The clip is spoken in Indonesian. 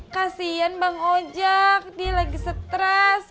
kasian bang hojak dia lagi stres